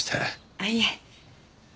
あっいえ。